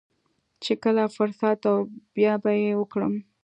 چې کله فرصت و بيا به يې وکړم.